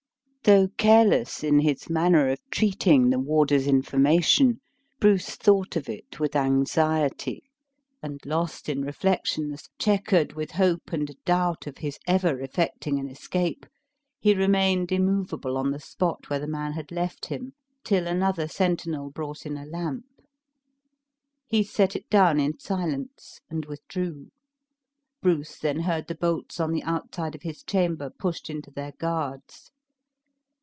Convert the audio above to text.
Though careless in his manner of treating the warder's information, Bruce thought of it with anxiety; and lost in reflections, checkered with hope and doubt of his ever effecting an escape, he remained immovable on the spot where the man had left him, till another sentinel brought in a lamp. He set it down in silence, and withdrew; Bruce then heard the bolts on the outside of his chamber pushed into their guards.